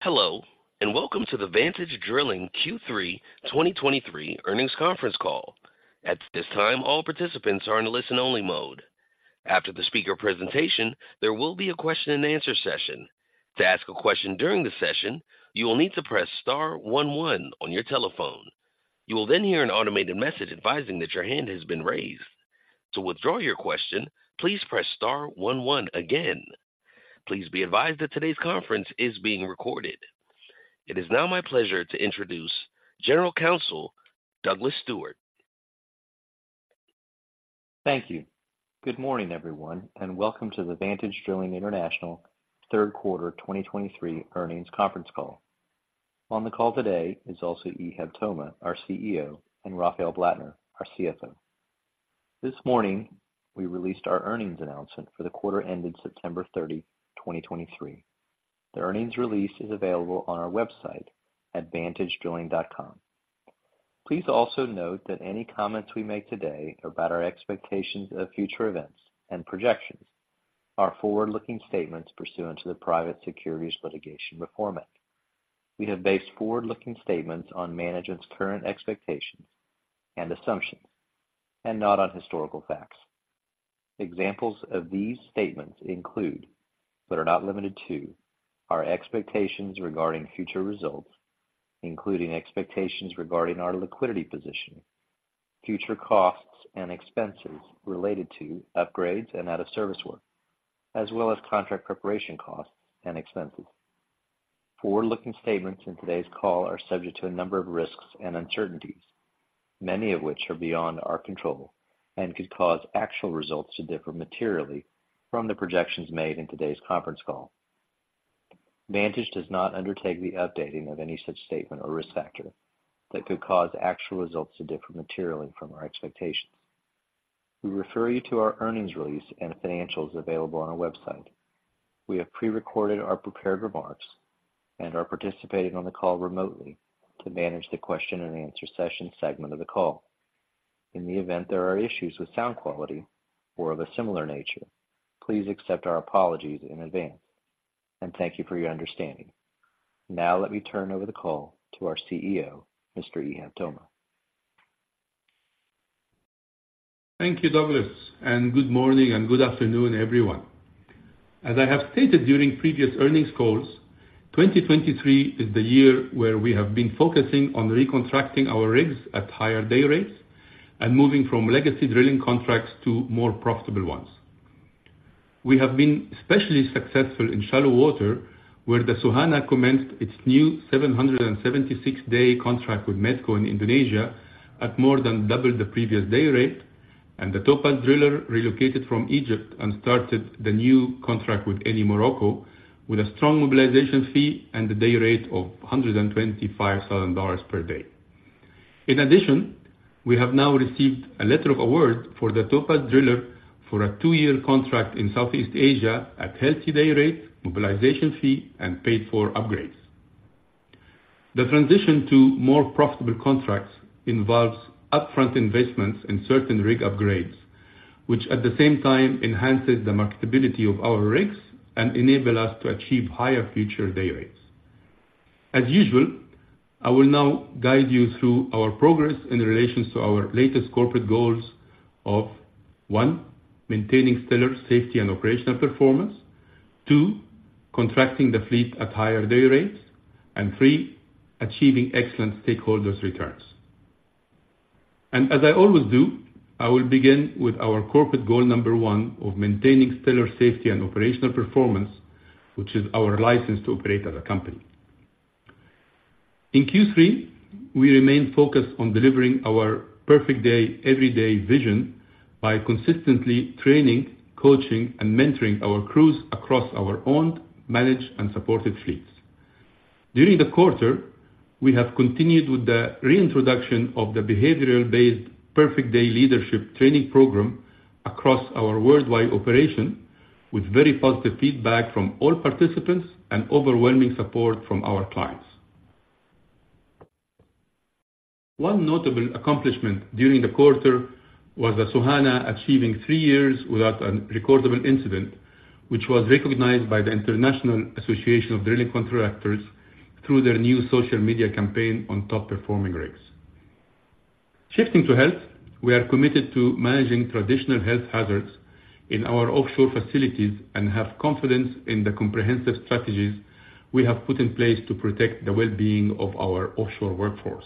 Hello, and welcome to the Vantage Drilling Q3 2023 earnings conference call. At this time, all participants are in a listen-only mode. After the speaker presentation, there will be a question and answer session. To ask a question during the session, you will need to press star one one on your telephone. You will then hear an automated message advising that your hand has been raised. To withdraw your question, please press star one one again. Please be advised that today's conference is being recorded. It is now my pleasure to introduce General Counsel, Douglas Stewart. Thank you. Good morning, everyone, and welcome to the Vantage Drilling International third quarter 2023 earnings conference call. On the call today is also Ihab Toma, our CEO, and Robert Blattner, our CFO. This morning, we released our earnings announcement for the quarter ended September 30th, 2023. The earnings release is available on our website at vantage.drilling.com. Please also note that any comments we make today about our expectations of future events and projections are forward-looking statements pursuant to the Private Securities Litigation Reform Act. We have based forward-looking statements on management's current expectations and assumptions and not on historical facts. Examples of these statements include, but are not limited to, our expectations regarding future results, including expectations regarding our liquidity position, future costs and expenses related to upgrades and out-of-service work, as well as contract preparation costs and expenses. Forward-looking statements in today's call are subject to a number of risks and uncertainties, many of which are beyond our control and could cause actual results to differ materially from the projections made in today's conference call. Vantage does not undertake the updating of any such statement or risk factor that could cause actual results to differ materially from our expectations. We refer you to our earnings release and financials available on our website. We have pre-recorded our prepared remarks and are participating on the call remotely to manage the question and answer session segment of the call. In the event there are issues with sound quality or of a similar nature, please accept our apologies in advance, and thank you for your understanding. Now, let me turn over the call to our CEO, Mr. Ihab Toma. Thank you, Douglas, and good morning, and good afternoon, everyone. As I have stated during previous earnings calls, 2023 is the year where we have been focusing on recontracting our rigs at higher day rates and moving from legacy drilling contracts to more profitable ones. We have been especially successful in shallow water, where the Soehanah commenced its new 776-day contract with Medco in Indonesia at more than double the previous day rate, and the Topaz Driller relocated from Egypt and started the new contract with Eni Morocco with a strong mobilization fee and a day rate of $125,000 per day. In addition, we have now received a letter of award for the Topaz Driller for a two-year contract in Southeast Asia at healthy day rate, mobilization fee, and paid for upgrades. The transition to more profitable contracts involves upfront investments in certain rig upgrades, which at the same time enhances the marketability of our rigs and enable us to achieve higher future day rates. As usual, I will now guide you through our progress in relation to our latest corporate goals of, one, maintaining stellar safety and operational performance. Two, contracting the fleet at higher day rates, and three, achieving excellent stakeholders' returns. As I always do, I will begin with our corporate goal number one of maintaining stellar safety and operational performance, which is our license to operate as a company. In Q3, we remained focused on delivering our perfect day, every day vision by consistently training, coaching, and mentoring our crews across our owned, managed, and supported fleets. During the quarter, we have continued with the reintroduction of the behavioral-based Perfect Day Leadership training program across our worldwide operation, with very positive feedback from all participants and overwhelming support from our clients. One notable accomplishment during the quarter was the Soehanah achieving three years without a recordable incident, which was recognized by the International Association of Drilling Contractors through their new social media campaign on top-performing rigs. Shifting to health, we are committed to managing traditional health hazards in our offshore facilities and have confidence in the comprehensive strategies we have put in place to protect the well-being of our offshore workforce.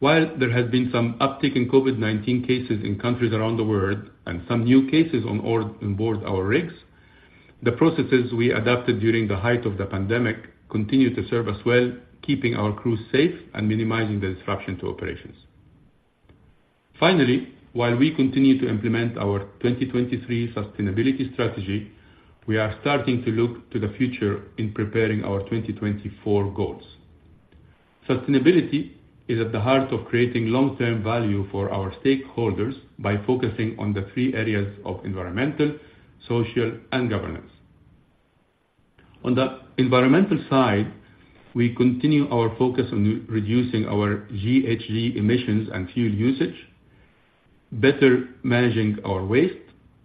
While there has been some uptick in COVID-19 cases in countries around the world and some new cases on board our rigs, the processes we adapted during the height of the pandemic continue to serve us well, keeping our crews safe and minimizing the disruption to operations. Finally, while we continue to implement our 2023 sustainability strategy, we are starting to look to the future in preparing our 2024 goals. Sustainability is at the heart of creating long-term value for our stakeholders by focusing on the three areas of environmental, social, and governance. On the environmental side, we continue our focus on re-reducing our GHG emissions and fuel usage, better managing our waste,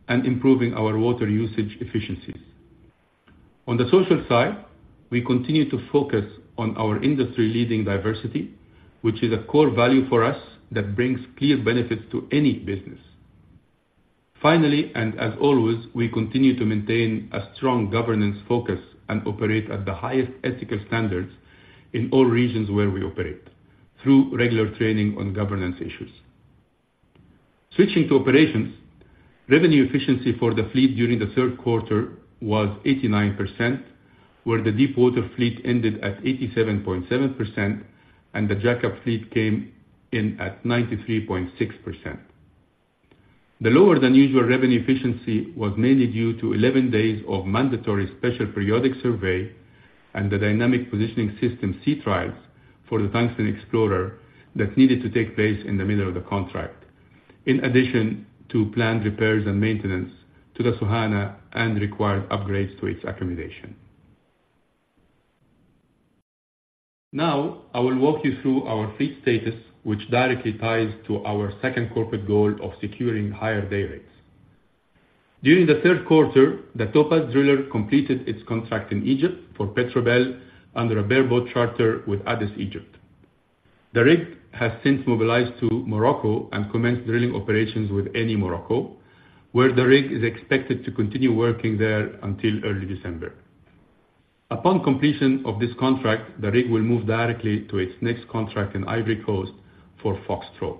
and improving our water usage efficiencies. On the social side, we continue to focus on our industry-leading diversity, which is a core value for us that brings clear benefits to any business. Finally, and as always, we continue to maintain a strong governance focus and operate at the highest ethical standards in all regions where we operate, through regular training on governance issues. Switching to operations. Revenue Efficiency for the fleet during the third quarter was 89%, where the deepwater fleet ended at 87.7% and the jackup fleet came in at 93.6%. The lower than usual Revenue Efficiency was mainly due to 11 days of mandatory Special Periodic Survey and the Dynamic Positioning system sea trials for the Tungsten Explorer that needed to take place in the middle of the contract, in addition to planned repairs and maintenance to the Soehanah and required upgrades to its accommodation. Now, I will walk you through our fleet status, which directly ties to our second corporate goal of securing higher day rates. During the third quarter, the Topaz Driller completed its contract in Egypt for Petrobel under a bareboat charter with ADES. The rig has since mobilized to Morocco and commenced drilling operations with Eni Morocco, where the rig is expected to continue working there until early December. Upon completion of this contract, the rig will move directly to its next contract in Ivory Coast for Foxtrot.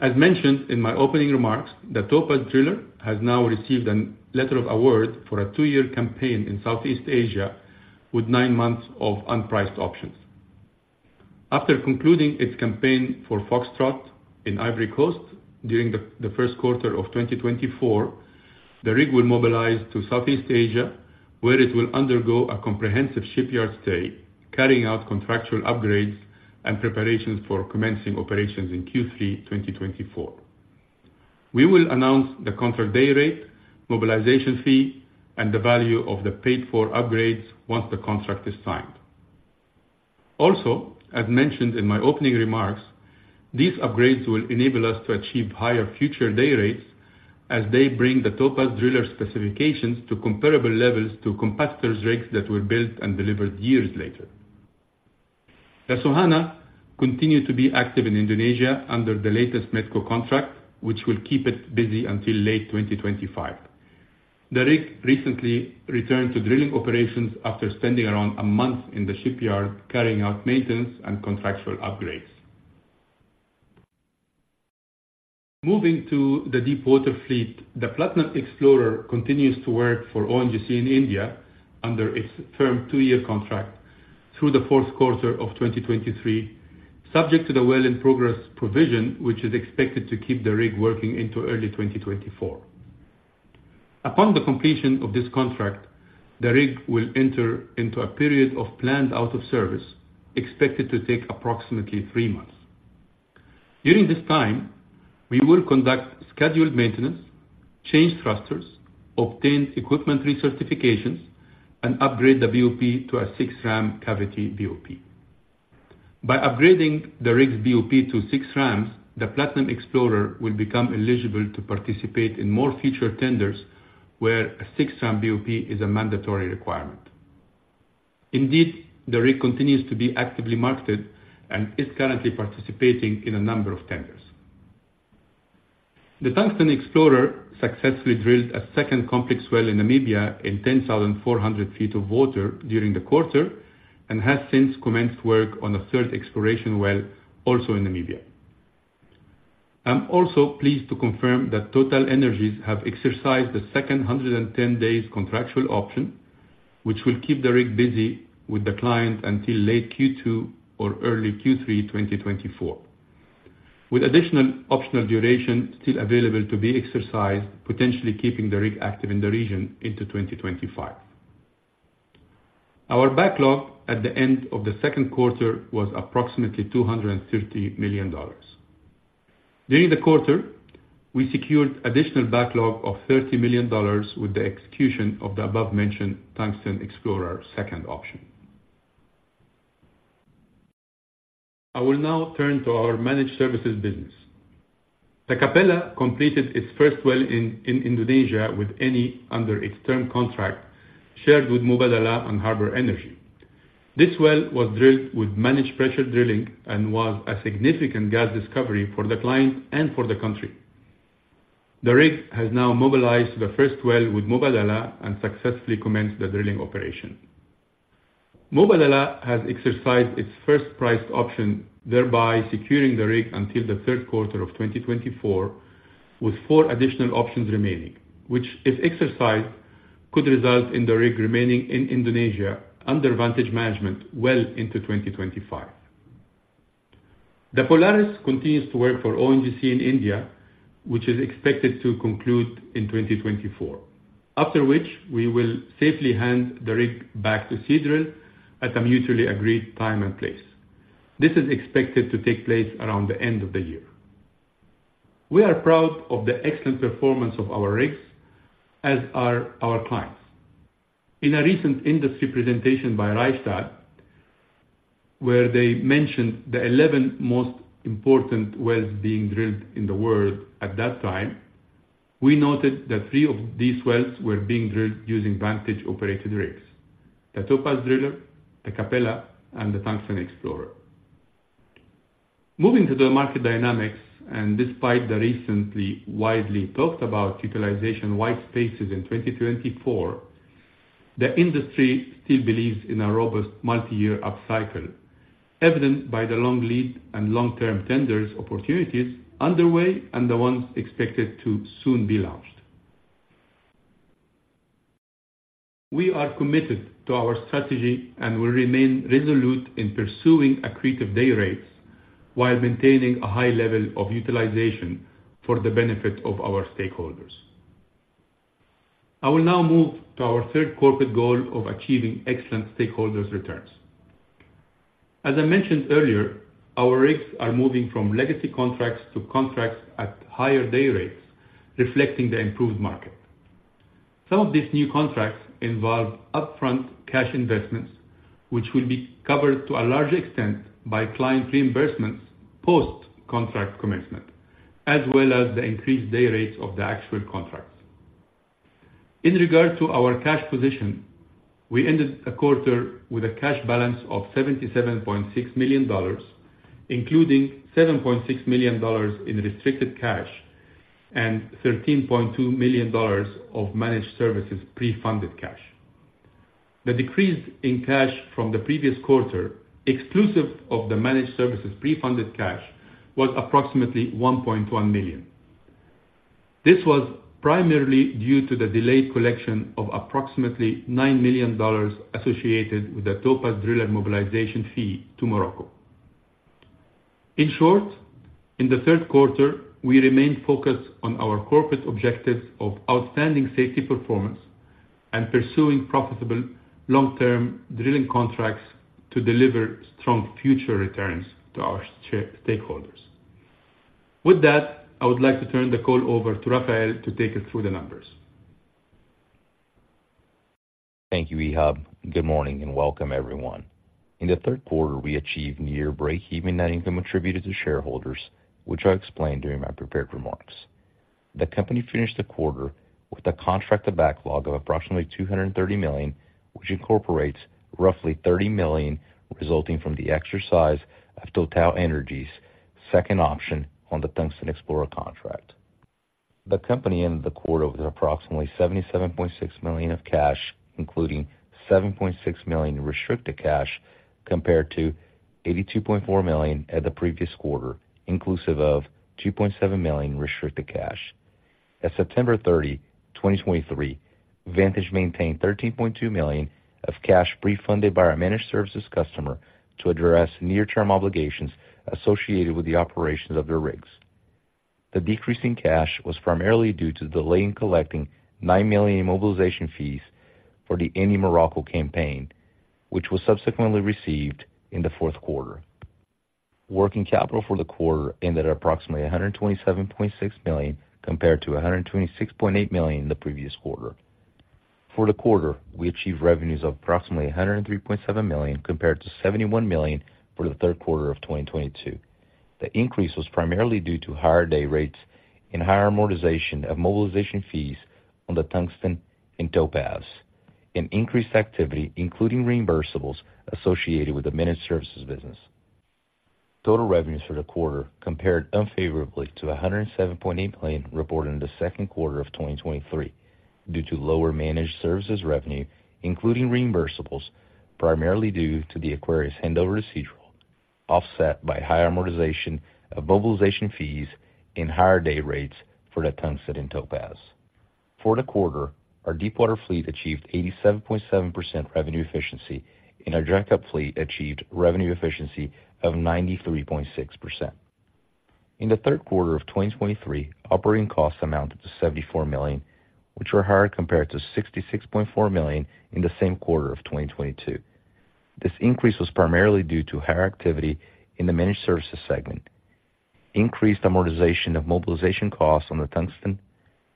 As mentioned in my opening remarks, the Topaz Driller has now received a letter of award for a two-year campaign in Southeast Asia, with nine months of unpriced options. After concluding its campaign for Foxtrot in Ivory Coast during the first quarter of 2024, the rig will mobilize to Southeast Asia, where it will undergo a comprehensive shipyard stay, carrying out contractual upgrades and preparations for commencing operations in Q3 2024. We will announce the contract day rate, mobilization fee, and the value of the paid-for upgrades once the contract is signed. Also, as mentioned in my opening remarks, these upgrades will enable us to achieve higher future day rates as they bring the Topaz Driller specifications to comparable levels to competitors' rigs that were built and delivered years later. The Soehanah continued to be active in Indonesia under the latest Medco contract, which will keep it busy until late 2025. The rig recently returned to drilling operations after spending around a month in the shipyard, carrying out maintenance and contractual upgrades. Moving to the deepwater fleet, the Platinum Explorer continues to work for ONGC in India under its firm two-year contract through the fourth quarter of 2023, subject to the well in progress provision, which is expected to keep the rig working into early 2024. Upon the completion of this contract, the rig will enter into a period of planned out-of-service, expected to take approximately three months. During this time, we will conduct scheduled maintenance, change thrusters, obtain equipment recertifications, and upgrade the BOP to a six-ram cavity BOP. By upgrading the rig's BOP to six rams, the Platinum Explorer will become eligible to participate in more future tenders where a six-ram BOP is a mandatory requirement. Indeed, the rig continues to be actively marketed and is currently participating in a number of tenders. The Tungsten Explorer successfully drilled a second complex well in Namibia in 10,400 feet of water during the quarter, and has since commenced work on a third exploration well, also in Namibia. I'm also pleased to confirm that TotalEnergies have exercised a second 210 days contractual option, which will keep the rig busy with the client until late Q2 or early Q3 2024, with additional optional duration still available to be exercised, potentially keeping the rig active in the region into 2025. Our backlog at the end of the second quarter was approximately $250 million. During the quarter, we secured additional backlog of $30 million with the execution of the above-mentioned Tungsten Explorer second option. I will now turn to our managed services business. The Capella completed its first well in Indonesia with Eni under its term contract, shared with Mubadala and Harbour Energy. This well was drilled with managed pressure drilling and was a significant gas discovery for the client and for the country. The rig has now mobilized the first well with Mubadala and successfully commenced the drilling operation. Mubadala has exercised its first priced option, thereby securing the rig until the third quarter of 2024, with four additional options remaining, which, if exercised, could result in the rig remaining in Indonesia under Vantage management well into 2025. The Polaris continues to work for ONGC in India, which is expected to conclude in 2024, after which we will safely hand the rig back to Seadrill at a mutually agreed time and place. This is expected to take place around the end of the year. We are proud of the excellent performance of our rigs, as are our clients. In a recent industry presentation by Rystad... Where they mentioned the 11 most important wells being drilled in the world at that time, we noted that three of these wells were being drilled using Vantage-operated rigs: the Topaz Driller, the Capella, and the Tungsten Explorer. Moving to the market dynamics, and despite the recently widely talked about utilization white spaces in 2024, the industry still believes in a robust multi-year upcycle, evident by the long lead and long-term tenders opportunities underway and the ones expected to soon be launched. We are committed to our strategy and will remain resolute in pursuing accretive day rates while maintaining a high level of utilization for the benefit of our stakeholders. I will now move to our third corporate goal of achieving excellent stakeholder returns. As I mentioned earlier, our rigs are moving from legacy contracts to contracts at higher day rates, reflecting the improved market. Some of these new contracts involve upfront cash investments, which will be covered to a large extent by client reimbursements post-contract commencement, as well as the increased day rates of the actual contracts. In regard to our cash position, we ended the quarter with a cash balance of $77.6 million, including $7.6 million in restricted cash and $13.2 million of managed services pre-funded cash. The decrease in cash from the previous quarter, exclusive of the managed services pre-funded cash, was approximately $1.1 million. This was primarily due to the delayed collection of approximately $9 million associated with the Topaz Driller mobilization fee to Morocco. In short, in the third quarter, we remained focused on our corporate objectives of outstanding safety performance and pursuing profitable long-term drilling contracts to deliver strong future returns to our stakeholders. With that, I would like to turn the call over to Rafael to take us through the numbers. Thank you, Ihab. Good morning, and welcome, everyone. In the third quarter, we achieved near breakeven net income attributed to shareholders, which I'll explain during my prepared remarks. The company finished the quarter with a contracted backlog of approximately $230 million, which incorporates roughly $30 million, resulting from the exercise of TotalEnergies' second option on the Tungsten Explorer contract. The company ended the quarter with approximately $77.6 million of cash, including $7.6 million restricted cash, compared to $82.4 million at the previous quarter, inclusive of $2.7 million restricted cash. At September 30, 2023, Vantage maintained $13.2 million of cash pre-funded by our managed services customer to address near-term obligations associated with the operations of their rigs. The decrease in cash was primarily due to delaying collecting $9 million in mobilization fees for the Eni Morocco campaign, which was subsequently received in the fourth quarter. Working capital for the quarter ended at approximately $127.6 million, compared to $126.8 million in the previous quarter. For the quarter, we achieved revenues of approximately $103.7 million, compared to $71 million for the third quarter of 2022. The increase was primarily due to higher day rates and higher amortization of mobilization fees on the Tungsten and Topaz, and increased activity, including reimbursables associated with the managed services business. Total revenues for the quarter compared unfavorably to $107.8 million reported in the second quarter of 2023 due to lower managed services revenue, including reimbursables, primarily due to the Aquarius handover residual, offset by higher amortization of mobilization fees and higher day rates for the Tungsten and Topaz. For the quarter, our deepwater fleet achieved 87.7% revenue efficiency, and our jackup fleet achieved revenue efficiency of 93.6%. In the third quarter of 2023, operating costs amounted to $74 million, which were higher compared to $66.4 million in the same quarter of 2022. This increase was primarily due to higher activity in the managed services segment. Increased amortization of mobilization costs on the Tungsten,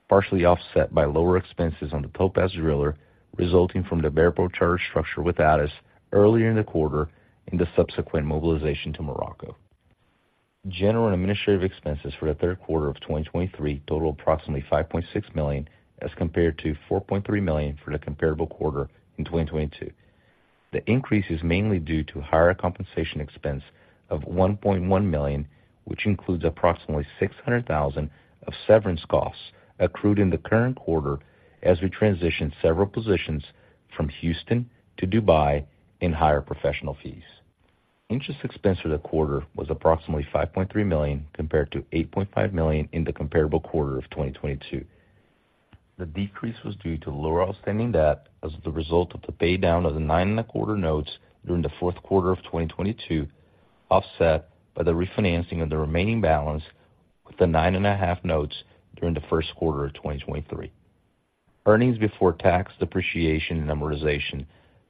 partially offset by lower expenses on the Topaz Driller, resulting from the bareboat charter structure with ADES earlier in the quarter and the subsequent mobilization to Morocco. General and administrative expenses for the third quarter of 2023 totaled approximately $5.6 million, as compared to $4.3 million for the comparable quarter in 2022. The increase is mainly due to higher compensation expense of $1.1 million, which includes approximately $600,000 of severance costs accrued in the current quarter as we transition several positions from Houston to Dubai and higher professional fees. Interest expense for the quarter was approximately $5.3 million, compared to $8.5 million in the comparable quarter of 2022. The decrease was due to lower outstanding debt as the result of the paydown of the 9.25% notes during the fourth quarter of 2022, offset by the refinancing of the remaining balance with the 9.5% notes during the first quarter of 2023. Earnings before tax, depreciation, and amortization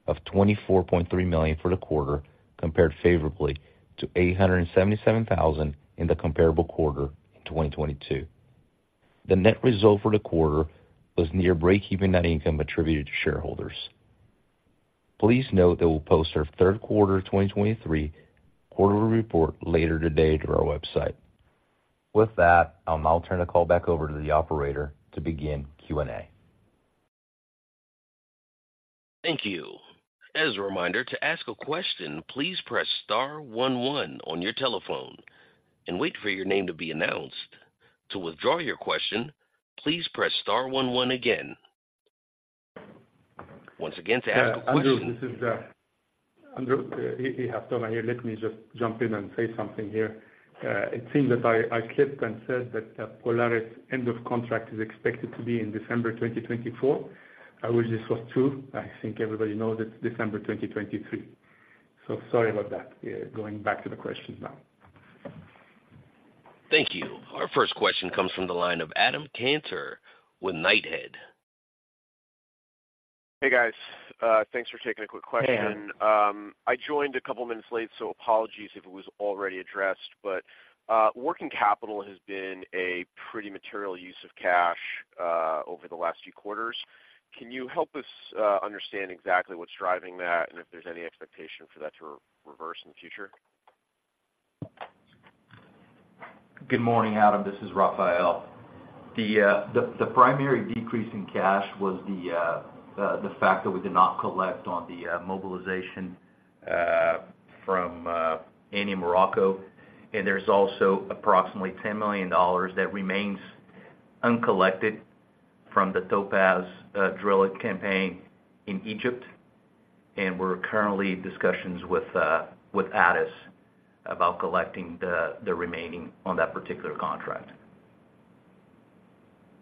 of $24.3 million for the quarter compared favorably to $877,000 in the comparable quarter in 2022. The net result for the quarter was near breakeven net income attributed to shareholders. Please note that we'll post our third quarter 2023 quarterly report later today to our website. With that, I'll now turn the call back over to the operator to begin Q&A. Thank you. As a reminder, to ask a question, please press star one one on your telephone and wait for your name to be announced. To withdraw your question, please press star one one again. Once again, to ask a question- Andrew, this is Ihab Toma here. Let me just jump in and say something here. It seems that I slipped and said that Polaris's end of contract is expected to be in December 2024. I wish this was true. I think everybody knows it's December 2023. Sorry about that. Going back to the questions now. Thank you. Our first question comes from the line of Adam Cantor with Knighthead. Hey, guys. Thanks for taking a quick question. I joined a couple of minutes late, so apologies if it was already addressed, but working capital has been a pretty material use of cash over the last few quarters. Can you help us understand exactly what's driving that, and if there's any expectation for that to reverse in the future? Good morning, Adam. This is Rafael. The primary decrease in cash was the fact that we did not collect on the mobilization from Eni Morocco, and there's also approximately $10 million that remains uncollected from the Topaz drilling campaign in Egypt, and we're currently in discussions with ADES about collecting the remaining on that particular contract.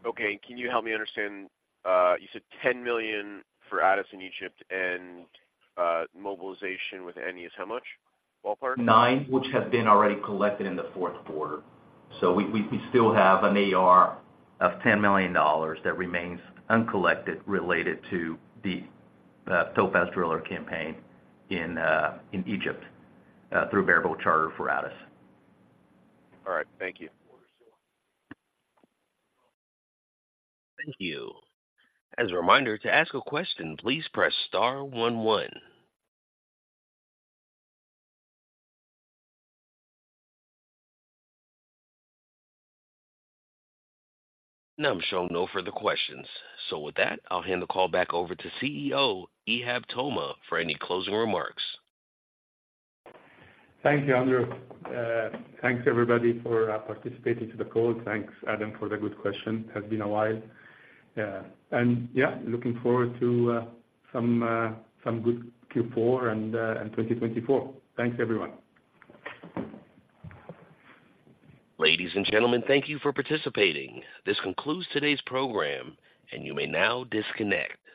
Okay, can you help me understand, you said $10 million for ADES in Egypt and, mobilization with Eni is how much? Ballpark. Nine, which have been already collected in the fourth quarter. So we still have an AR of $10 million that remains uncollected, related to the Topaz Driller campaign in Egypt through bareboat charter for ADES. All right. Thank you. Thank you. As a reminder, to ask a question, please press star one one. I'm showing no further questions. With that, I'll hand the call back over to CEO, Ihab Toma, for any closing remarks. Thank you, Andrew. Thanks, everybody, for participating to the call. Thanks, Adam, for the good question. It has been a while. Yeah, looking forward to some good Q4 and 2024. Thanks, everyone. Ladies and gentlemen, thank you for participating. This concludes today's program, and you may now disconnect.